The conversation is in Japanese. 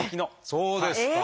そうですか！